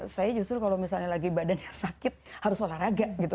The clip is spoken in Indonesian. saya justru kalau misalnya lagi badannya sakit harus olahraga gitu